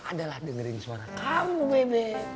adalah dengerin suara kamu bebek